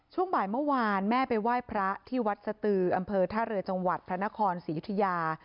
ช่วงบ่ายเมื่อวานแม่ไปไหว้พระที่วัดสตืออำเภอท่าเรือจังหวัดพระนครศรียุธยา